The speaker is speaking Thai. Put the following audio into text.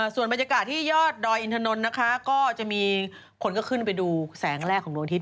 ส่วนบรรยากาศที่ยอดดอยอินทนนท์นะคะก็จะมีคนก็ขึ้นไปดูแสงแรกของดวงอาทิตย